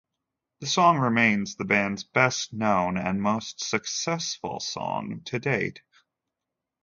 The song remains the band's best known and most successful song to date.